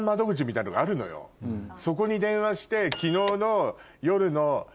そこに電話して。